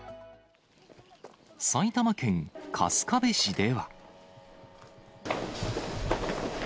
埼玉県春日部市では。